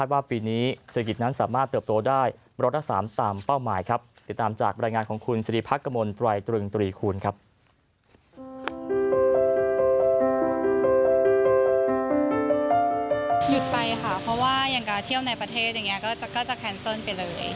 หยุดไปค่ะเพราะว่าอย่างการเที่ยวในประเทศอย่างนี้ก็จะแคนเซิลไปเลย